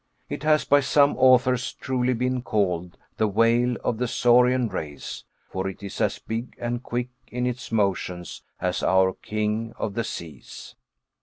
It has by some authors truly been called the whale of the saurian race, for it is as big and quick in its motions as our king of the seas.